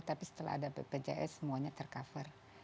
tapi setelah ada bpjs semuanya tercover